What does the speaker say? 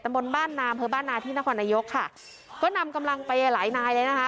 มนต์บ้านนามเผลอบ้านนาที่นครนายกค่ะก็นำกำลังไปหลายนายเลยนะคะ